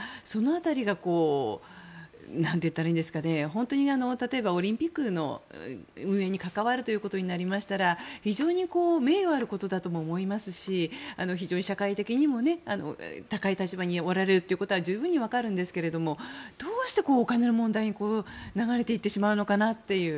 その辺りが本当に例えばオリンピックの運営に関わるということになりましたら非常に名誉あることだとも思いますし非常に、社会的にも高い立場におられるということは十分に分かるんですけどお金の問題に流れていってしまうのかなという。